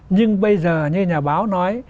nhưng bây giờ như nhà báo nói